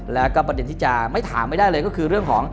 แล้วก็ประเด็นที่จะไม่ถามไม่ได้เลยก็คือเรื่องของ